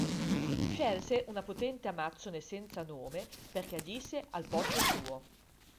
Scelse una potente Amazzone senza nome perché agisse al posto suo.